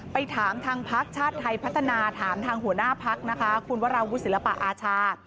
ไปถามทางพักชาติไทยพัฒนาถามทางหัวหน้าพักนะคะคุณวราวุศิลปะอาชา